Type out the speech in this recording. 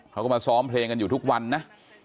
เขาก็มาซ้อมเพลงกันอยู่ทุกวันนะ